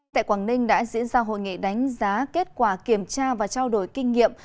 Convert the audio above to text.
tại quảng ninh đã diễn ra hội nghị đánh giá kết quả kiểm tra và trao đổi kinh nghiệm